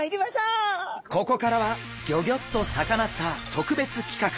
ここからは「ギョギョッとサカナ★スター」特別企画。